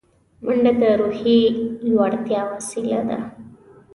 منډه د روحیې لوړتیا وسیله ده